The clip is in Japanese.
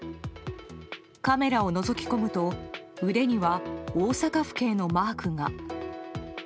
カメラをのぞき込むと腕には大阪府警のマークが。